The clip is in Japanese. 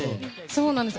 そうなんです。